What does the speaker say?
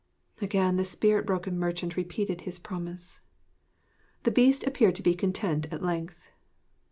Again the spirit broken merchant repeated his promise. The Beast appeared to be content at length.